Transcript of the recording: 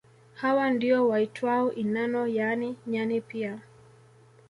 Hawa ndio waitwao inano yaani nyani pia